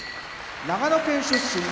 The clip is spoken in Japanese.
長野県出身